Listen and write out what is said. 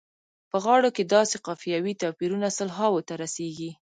په غاړو کې داسې قافیوي توپیرونه سلهاوو ته رسیږي.